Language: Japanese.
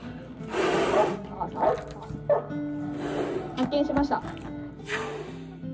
発見しました！